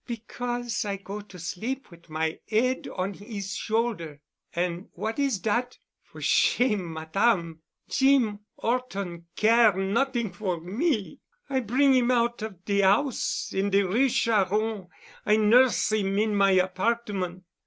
"Because I go to sleep wit' my 'ead on 'is shoulder. An' what is dat? For shame, Madame. Jeem 'Orton care' not'ing for me. I bring 'im out of de 'ouse in de Rue Charron—I nurse 'im in my apartment.